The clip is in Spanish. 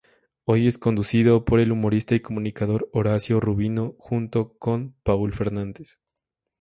Hoy es conducido por el humorista y comunicador Horacio Rubino junto con Paul Fernandez.